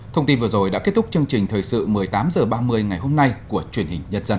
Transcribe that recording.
thông tin vừa rồi đã kết thúc chương trình thời sự một mươi tám h ba mươi ngày hôm nay của truyền hình nhân dân